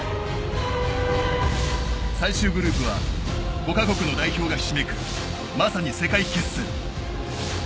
最終グループは５カ国の代表がひしめくまさに世界決戦。